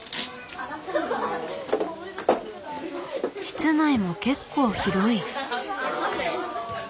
室内も結構広い。